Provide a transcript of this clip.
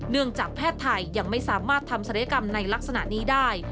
จากแพทย์ไทยยังไม่สามารถทำศัลยกรรมในลักษณะนี้ได้